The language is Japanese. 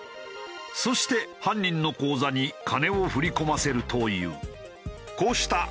そして犯人の口座に金を振り込ませるという。